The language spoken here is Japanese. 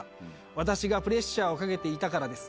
私がプレッシャーをかけていたからです。